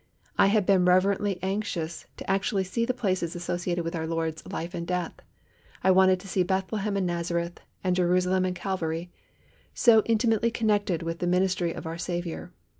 I had been reverently anxious to actually see the places associated with our Lord's life and death. I wanted to see Bethlehem and Nazareth, and Jerusalem and Calvary, so intimately connected with the ministry of our Saviour.